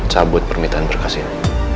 cabut permintaan berkas ini